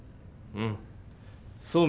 うん。